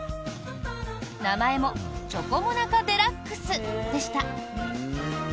名前もチョコモナカデラックスでした。